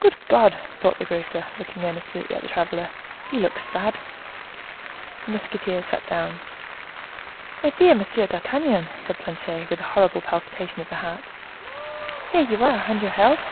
"Good God!" thought the grocer, looking earnestly at the traveler, "he looks sad!" The musketeer sat down. "My dear Monsieur d'Artagnan!" said Planchet, with a horrible palpitation of the heart. "Here you are! and your health?"